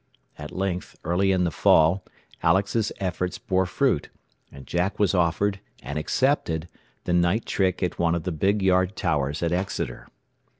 At length, early in the fall, Alex's efforts bore fruit, and Jack was offered, and accepted, the "night trick" at one of the big yard towers at Exeter.